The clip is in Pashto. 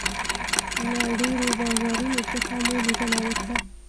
له ډېرو بازارونو څخه مو لیدنه وکړله.